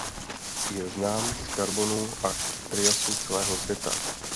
Je znám z karbonu až triasu celého světa.